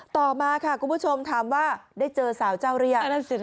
ต่อมาค่ะคุณผู้ชมถามว่าได้เจอสาวเจ้าหรือยัง